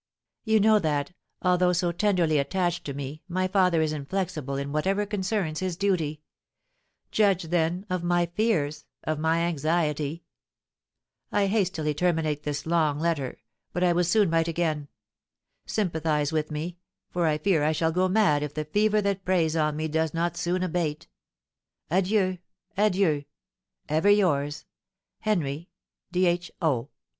You know that, although so tenderly attached to me, my father is inflexible in whatever concerns his duty; judge, then, of my fears, of my anxiety. I hastily terminate this long letter, but I will soon write again. Sympathise with me, for I fear I shall go mad if the fever that preys on me does not soon abate. Adieu, adieu! Ever yours, HENRY D'H. O.